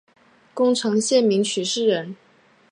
宫城县名取市人。